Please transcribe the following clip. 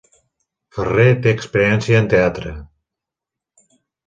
Ferrer té experiència en teatre.